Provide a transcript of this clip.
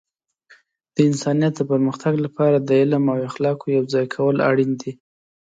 د انسانیت د پرمختګ لپاره د علم او اخلاقو یوځای کول اړین دي.